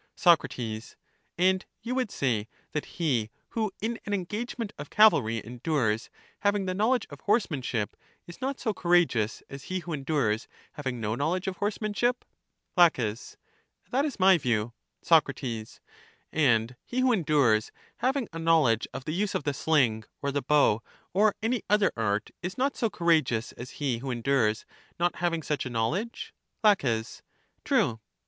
Soc, And you would say that he who in an engage ment of cavalry endures, having the knowledge of horsemanship, is not so courageous as he who endures, having no knowledge of horsemanship ? La, That is my view. Soc, And he who endures, having a knowledge of the use of the sling, or the bow, or any other art, is not so courageous as he who endures, not having such a knowledge? La, True.